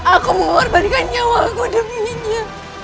aku menguatbaikan nyawaku demi nya